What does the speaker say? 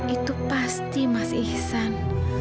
itu pasti mas ihsan